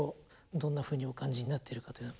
どんなふうにお感じになってるかと。